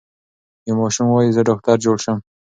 یو ماشوم وايي زه ډاکټر جوړ شم.